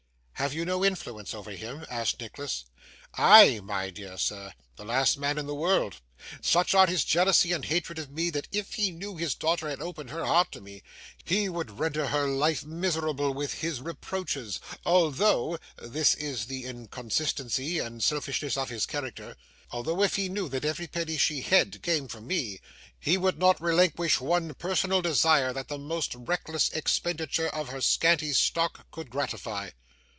'Have you no influence over him?' asked Nicholas. 'I, my dear sir! The last man in the world. Such are his jealousy and hatred of me, that if he knew his daughter had opened her heart to me, he would render her life miserable with his reproaches; although this is the inconsistency and selfishness of his character although if he knew that every penny she had came from me, he would not relinquish one personal desire that the most reckless expenditure of her scanty stock could gratify.